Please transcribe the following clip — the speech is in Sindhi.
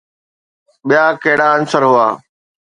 ٻيا ڪهڙا عنصر هئا؟